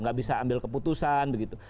nggak bisa ambil keputusan begitu